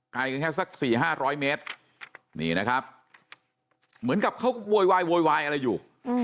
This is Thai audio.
ไกลกันแค่สักสี่ห้าร้อยเมตรนี่นะครับเหมือนกับเขาโวยวายอะไรอยู่